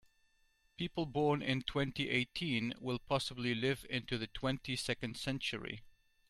People born in twenty-eighteen will possibly live into the twenty-second century.